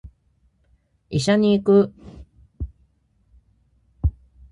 医者に行く